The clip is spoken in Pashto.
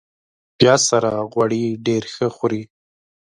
پیاز سره غوړي ډېر ښه خوري